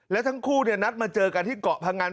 และทั้งคู่นัดมาเจอกันที่เกาะพงัน